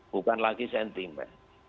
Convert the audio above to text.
bukan lagi sentiment